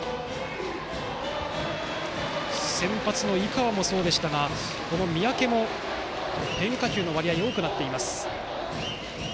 先発の井川もそうでしたが三宅も変化球の割合が多くなっています。